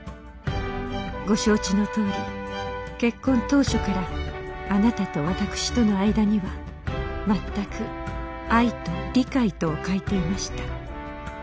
「ご承知のとおり結婚当初からあなたと私との間には全く愛と理解とを欠いていました。